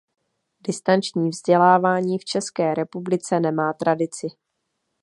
Distanční vzdělávání v České republice nemá tradici.